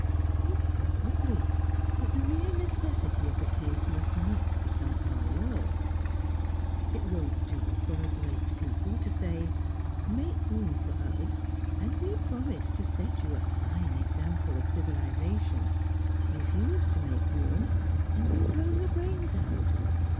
"Probably. But the mere necessity of the case must not become our law. It won't do for a great people to say, 'Make room for us, and we promise to set you a fine example of civilisation; refuse to make room, and we'll blow your brains out!'